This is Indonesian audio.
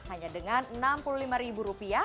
hanya dengan rp enam puluh lima